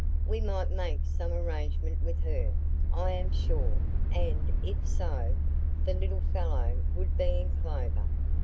We might make some arrangement with her, I am sure; and, if so, the little fellow would be in clover.